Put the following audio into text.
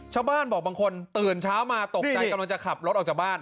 ชาวบ้านบอกบางคนตื่นเช้ามาตกใจกำลังจะขับรถออกจากบ้าน